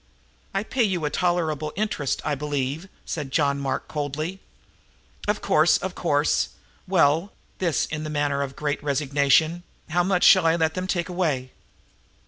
"I pay you a tolerable interest, I believe," said John Mark coldly. "Of course, of course! Well" this in a manner of great resignation "how much shall I let them take away?"